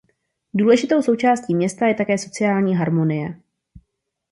Důležitou součástí města je také sociální harmonie.